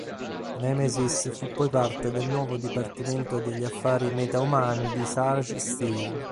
Nemesis fu poi parte del nuovo Dipartimento degli Affari Metaumani di Sarge Steel.